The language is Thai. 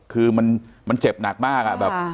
คือมันเจ็บหนักมากอะแบบ